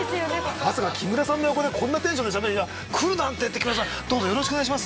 まさか木村さんの横でこんなテンションでしゃべる日が来るなんてって木村さんどうぞよろしくお願いします。